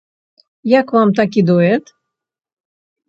Як вам такі дуэт?